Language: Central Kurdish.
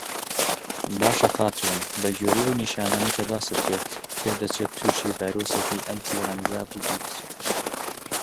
باشه خاتوون بە گوێرەی ئەو نیشانانەی کە باست کرد پێدەچێت تووشی ڤایرۆسێکی ئەنفلەوەنزا بووبیت